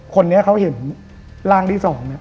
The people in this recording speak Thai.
คนนี้เขาเห็นล่างที่สอง